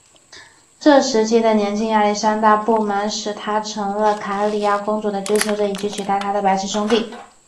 这时期的年轻亚历山大的不满使他成了卡里亚公主的追求者以取代他的白痴兄弟。